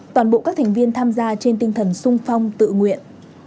toàn bộ các thành viên tham gia trên tinh thần sung phong tự nguyện